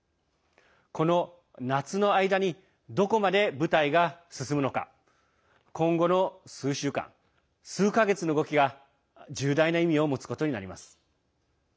この夏の間にどこまで部隊が進むのか今後の数週間、数か月の動きが重大な意味を持つことになります。